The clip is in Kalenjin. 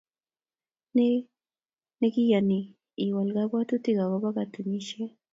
Ne nekiyain iwal kabwatutikuk akobo katunisiet